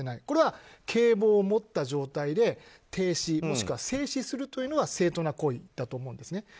これは警棒を持った状況で停止もしくは制止するというのが正当な行為だと思うんですね。